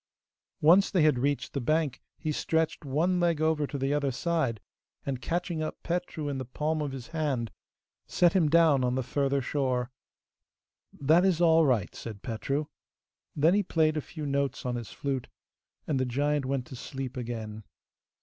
Once they had reached the bank he stretched one leg over to the other side, and, catching up Petru in the palm of his hand, set him down on the further shore. 'That is all right,' said Petru. Then he played a few notes on his flute, and the giant went to sleep again.